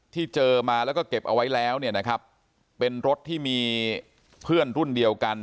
ที่เจอมาแล้วก็เก็บเอาไว้แล้วเนี่ยนะครับเป็นรถที่มีเพื่อนรุ่นเดียวกัน